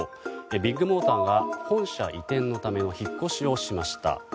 ビッグモーターが本社移転のための引っ越しをしました。